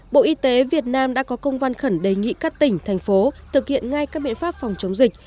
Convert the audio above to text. bộ y tế việt nam đã có công văn khẩn đề nghị các tỉnh thành phố thực hiện ngay các biện pháp phòng chống dịch